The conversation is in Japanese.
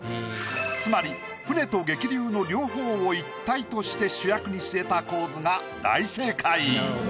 つまり船と激流の両方を一体として主役に据えた構図が大正解。